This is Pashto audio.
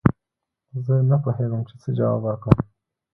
زه نه پوهېږم چې څه جواب ورکړم